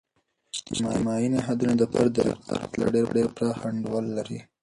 اجتماعي نهادونه د فرد د رفتار په پرتله ډیر پراخ انډول لري.